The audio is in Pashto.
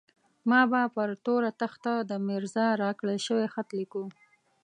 ما به پر توره تخته د ميرزا راکړل شوی خط ليکلو.